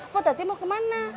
potati mau ke mana